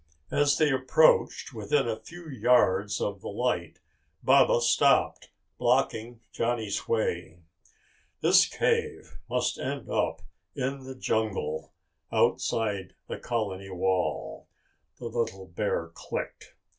As they approached within a few yards of the light, Baba stopped, blocking Johnny's way. "This cave must end up in the jungle outside the colony wall," the little bear clicked.